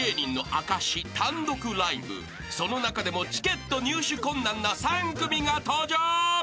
［その中でもチケット入手困難な３組が登場］